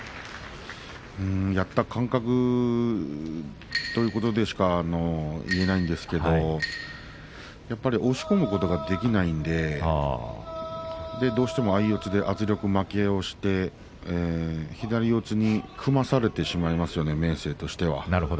やった感覚ということでしか言えないんですがやっぱり押し込むことができないので、どうしても相四つで圧力負けをして左四つに組まされてしまいますよね、明生は。